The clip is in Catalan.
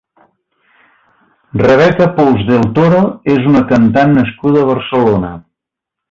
Rebeca Pous Del Toro és una cantant nascuda a Barcelona.